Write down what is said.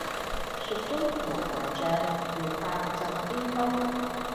蜀中無大將，廖化作先鋒